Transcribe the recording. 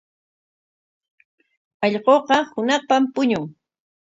Allquuqa hunaqpam puñun.